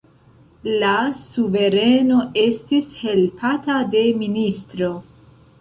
La suvereno estis helpata de ministro.